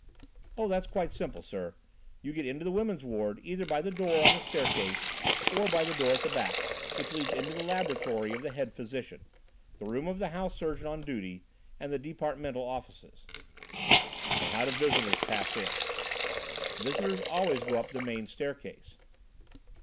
"Oh, that's quite simple, sir; you get into the woman's ward either by the door on the staircase or by the door at the back, which leads into the laboratory of the head physician, the room of the house surgeon on duty, and the departmental offices." "And how do visitors pass in?" "Visitors always go up the main staircase."